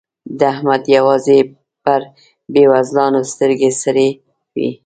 د احمد يوازې پر بېوزلانو سترګې سرې وي.